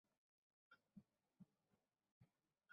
আল্লাহ রসস-এর অধিবাসীদের ধ্বংস করেন।